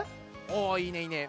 おおいいねいいね。